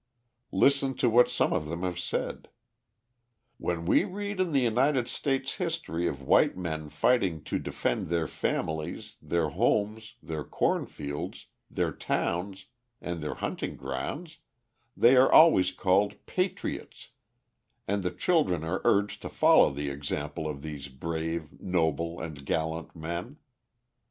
Listen to what some of them have said: "When we read in the United States history of white men fighting to defend their families, their homes, their corn fields, their towns, and their hunting grounds, they are always called 'patriots,' and the children are urged to follow the example of these brave, noble, and gallant men.